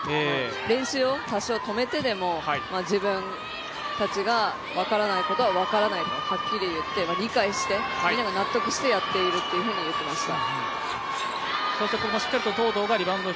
練習を多少、止めてでも自分たちが分からないことは分からないとはっきり言って理解して、みんなが納得してやっていると言っていました。